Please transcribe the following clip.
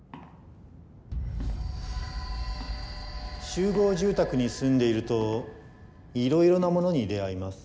集合住宅に住んでいるといろいろなものに出会います。